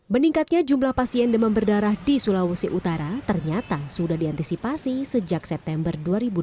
meningkatnya jumlah pasien demam berdarah di sulawesi utara ternyata sudah diantisipasi sejak september dua ribu dua puluh